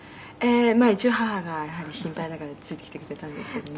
「まあ一応母がやはり心配だからってついてきてくれたんですけどね」